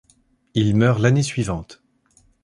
Il meurt l’année suivante.